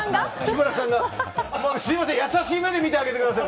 すみません、優しい目で見てあげてください。